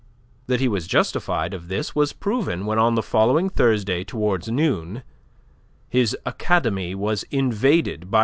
That he was justified of this was proved when on the following Thursday towards noon his academy was invaded by M.